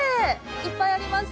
いっぱいあります。